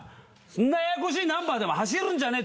そんなややこしいナンバーでおまえ走るんじゃねぇ！